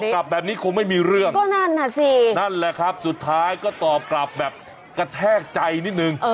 กลับแบบนี้คงไม่มีเรื่องก็นั่นน่ะสินั่นแหละครับสุดท้ายก็ตอบกลับแบบกระแทกใจนิดนึง